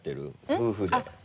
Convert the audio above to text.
夫婦で。